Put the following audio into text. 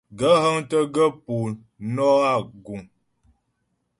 Gaə̂ hə́ŋtə́ gaə̂ po nɔ́ a guŋ ?